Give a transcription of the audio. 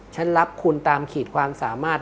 ฉันรับคุณตามขีดความสามารถ